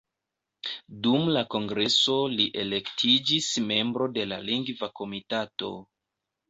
Dum la kongreso li elektiĝis membro de la Lingva Komitato.